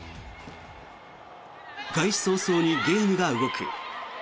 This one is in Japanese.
開始早々にゲームが動く。